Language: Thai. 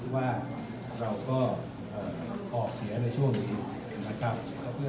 ว่าเราก็อ่าออกเสียในช่วงนี้นะครับเพื่อให้เกิดออก